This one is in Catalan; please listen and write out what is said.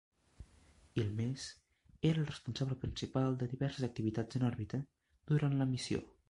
Hilmers era el responsable principal de diverses activitats en òrbita durant la missió.